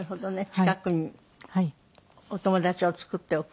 近くにお友達を作っておく。